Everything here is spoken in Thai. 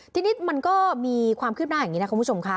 ทีนี้มันก็มีความคืบหน้าอย่างนี้นะคุณผู้ชมค่ะ